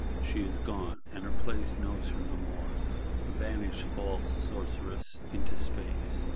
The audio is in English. She is gone; and her place knows her no more. Vanish, false Sorceress; into Space!